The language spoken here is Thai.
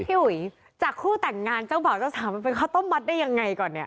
พี่ห่วยจากคู่แต่งงานจังบอกเจ้าสามว่าไปเข้าต้มมัสได้ยังไงก่อนเนี่ย